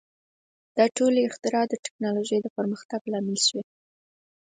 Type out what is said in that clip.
• دا ټولې اختراع د ټیکنالوژۍ د پرمختګ لامل شوې.